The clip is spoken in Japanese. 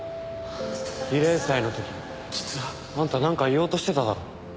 慰霊祭の時あんたなんか言おうとしてただろ。